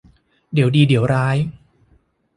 เดี๋ยวดีเดี๋ยวร้าย